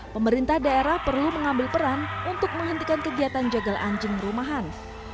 pemerintah daerah perlu mengambil peran untuk menghentikan kegiatan jagal anjing rumahan